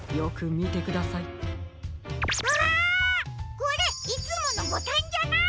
これいつものボタンじゃない！